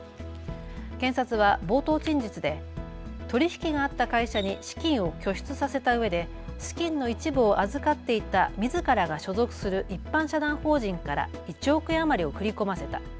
検察は冒頭陳述で取り引きがあった会社に資金を拠出させたうえで資金の一部を預かっていたみずからが所属する一般社団法人から１億円余りを振り込ませた。